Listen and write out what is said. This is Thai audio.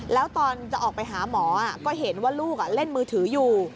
แล้วตอนจะออกไปหาหมอก็เห็นว่าลูกเล่นมือถืออยู่